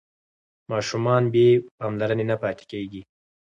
ماشومان بې پاملرنې نه پاتې کېږي.